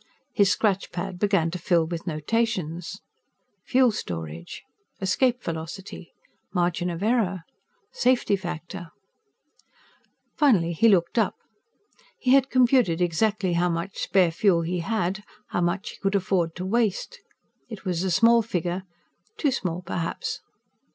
His scratch pad began to fill with notations. _Fuel storage _ _Escape velocity _ _Margin of error _ _Safety factor _ Finally he looked up. He had computed exactly how much spare fuel he had, how much he could afford to waste. It was a small figure too small, perhaps.